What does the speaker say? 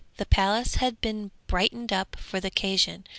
'_] The palace had been brightened up for the occasion.